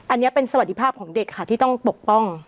อันนี้เป็นสวัสดิภาพของเด็กค่ะที่ต้องปกป้อง